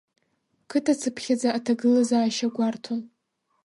Қыҭа цыԥхьаӡа аҭагылазаашьа гәарҭон.